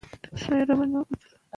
ما ته په سر اوسترګو منظور وه .